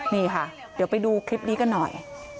นี่ค่ะเดี๋ยวไปดูคลิปนี้กันหน่อย